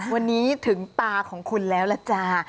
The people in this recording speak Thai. วันนี้ถึงตาของคุณแล้วล่ะจ้า